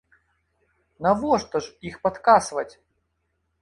Навошта ж іх падкасваць?